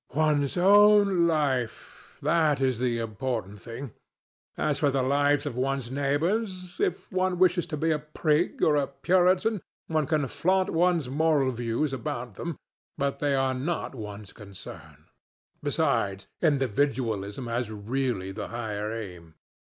One's own life—that is the important thing. As for the lives of one's neighbours, if one wishes to be a prig or a Puritan, one can flaunt one's moral views about them, but they are not one's concern. Besides, individualism has really the higher aim.